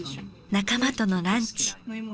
仲間とのランチ。